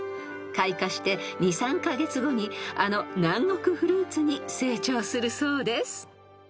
［開花して２３カ月後にあの南国フルーツに成長するそうです］